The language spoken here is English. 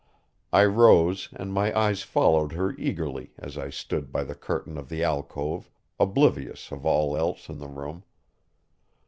I rose and my eyes followed her eagerly as I stood by the curtain of the alcove, oblivious of all else in the room.